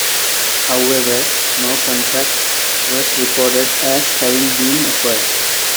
However, no contract was reported as having been offered.